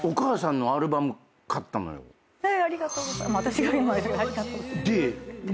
えっありがとうございます。